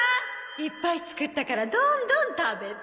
いっぱい作ったからどんどん食べて。